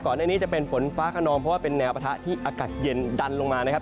ในนี้จะเป็นฝนฟ้าขนองเพราะว่าเป็นแนวปะทะที่อากาศเย็นดันลงมานะครับ